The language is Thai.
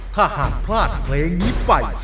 ถ้าหากพลาดเพลงนี้ไป